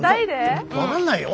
分かんないよ？